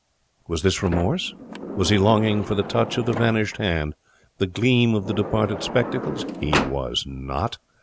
Was this remorse? Was he longing for the touch of the vanished hand, the gleam of the departed spectacles? He was not.